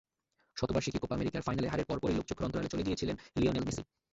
শতবার্ষিকী Copa আমেরিকার ফাইনালে হারের পরপরই লোকচক্ষুর অন্তরালে চলে গিয়েছিলেন লিওনেল মেসি।